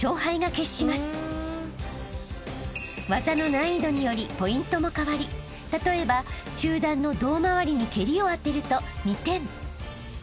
［技の難易度によりポイントも変わり例えば中段の胴回りに蹴りを当てると２点］